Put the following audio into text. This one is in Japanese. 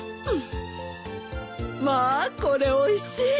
まあこれおいしい。